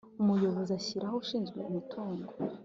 Umuyobozi ashyiraho ushinzwe umutungo